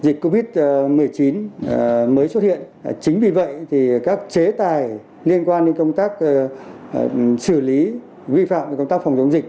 dịch covid một mươi chín mới xuất hiện chính vì vậy các chế tài liên quan đến công tác xử lý vi phạm công tác phòng chống dịch